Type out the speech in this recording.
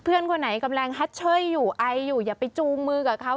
เพื่อนคนไหนกำลังฮัตเชยอยู่ไออยู่อย่าไปจูงมือกับเขา